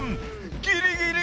ギリギリ！